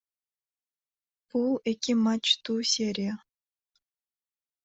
Бул эки матчтуу серия.